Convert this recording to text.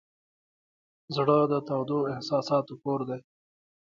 زړه د تودو احساساتو کور دی.